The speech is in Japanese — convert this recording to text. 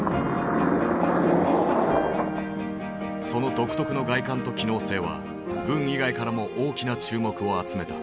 その独特の外観と機能性は軍以外からも大きな注目を集めた。